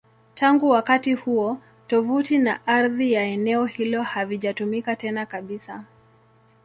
Tangu wakati huo, tovuti na ardhi ya eneo hilo havijatumika tena kabisa.